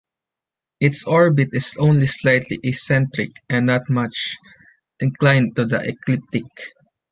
Its orbit is only slightly eccentric and not much inclined to the ecliptic.